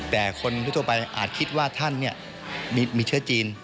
แต่คนทั่วไปอาจคิดว่าท่านมีเชื้อจีน